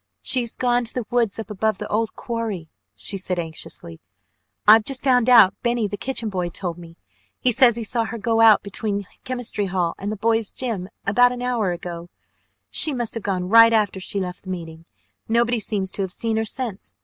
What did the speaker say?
"She's gone to the woods up above the old quarry!" she said anxiously. "I've just found out. Benny, the kitchen boy, told me. He says he saw her go out between Chemistry Hall and the Boys' Gym. about an hour ago. She must have gone right after she left the meeting. Nobody seems to have seen her since.